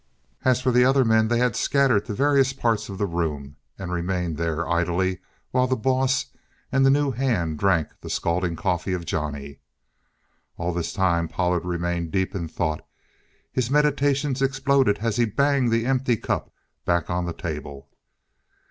As for the other men, they had scattered to various parts of the room and remained there, idly, while the boss and the new hand drank the scalding coffee of Johnny. All this time Pollard remained deep in thought. His meditations exploded as he banged the empty cup back on the table.